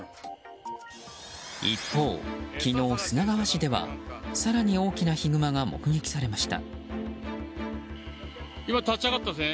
一方、昨日、砂川市では更に大きなヒグマが目撃されました。